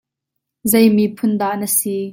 Zei miphun dah na si?